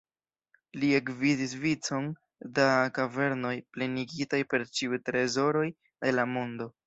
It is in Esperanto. Li ekvidis vicon da kavernoj, plenigitaj per ĉiuj trezoroj de la mondo.